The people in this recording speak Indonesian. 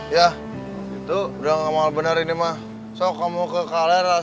ya sudah lah kita bacot lah